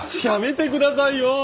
やめてくださいよ！